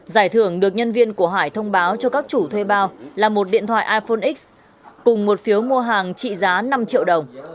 giải thưởng được nhân viên của hải thông báo cho các chủ thuê bao là một điện thoại iphone x cùng một phiếu mua hàng trị giá năm triệu đồng